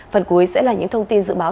phần cuối sẽ là những thông tin dự báo